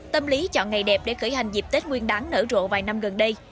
tâm lý chọn ngày đẹp để khởi hành dịp tết nguyên đáng nở rộ vài năm gần đây